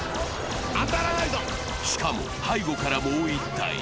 しかも背後からもう１体。